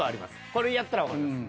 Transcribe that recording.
これやったらわかります。